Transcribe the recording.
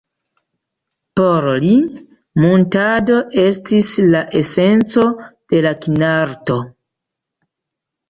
Por li muntado estis la esenco de la kinarto.